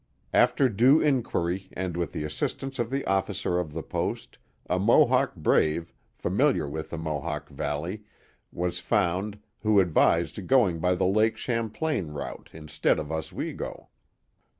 After due inquiry and with the assistance of the officer of the post, a Mohawk brave, familiar with the Mohawk Valley, was found, who advised going by the Lake Champlain route instead of Oswego.